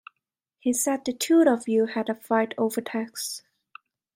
He said the two of you had a fight over text